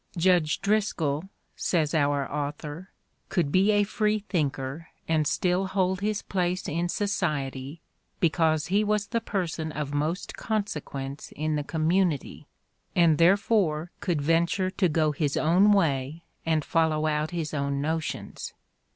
"Judge DriscoU," says our author, "could be a free thinker and still hold his place in society, because he was the person of most consequence in the community, and therefore could venture to go his own way and follow out his own notions."